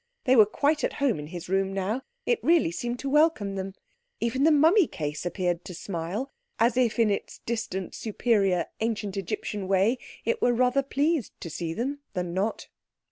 They were quite at home in his room now; it really seemed to welcome them. Even the mummy case appeared to smile as if in its distant superior ancient Egyptian way it were rather pleased to see them than not.